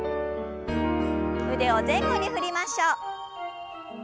腕を前後に振りましょう。